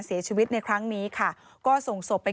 พ่อพูดว่าพ่อพูดว่าพ่อพูดว่า